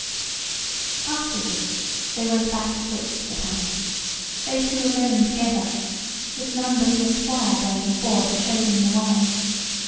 Afterwards they went back afoot to the palace, they two alone together, with none but the esquire going before to show them the way.